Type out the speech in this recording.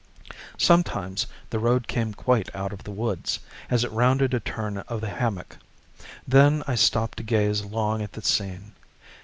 Sometimes the road came quite out of the woods, as it rounded a turn of the hammock. Then I stopped to gaze long at the scene.